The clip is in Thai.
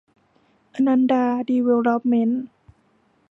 อนันดา ดีเวลลอปเม้นท์